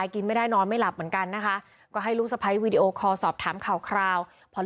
ก็อยากให้กรัฟ